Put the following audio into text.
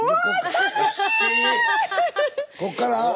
こっから？